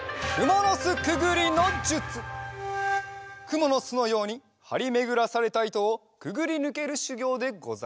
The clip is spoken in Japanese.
くもの巣のようにはりめぐらされたいとをくぐりぬけるしゅぎょうでござる。